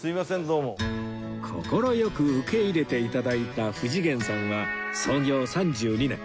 快く受け入れて頂いた藤源さんは創業３２年